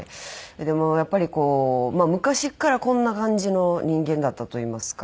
でもやっぱり昔からこんな感じの人間だったといいますか。